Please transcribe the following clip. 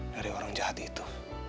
dari orang jahat itu